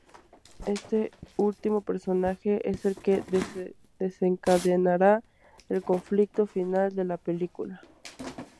Este último personaje es el que desencadenará el conflicto final de la película.